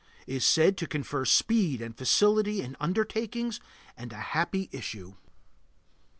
Is said to confer speed and facility in undertakings and a happy issue.